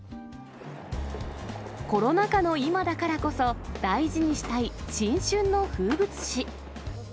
コロナ禍の今だからこそ、大事にしたい新春の風物詩。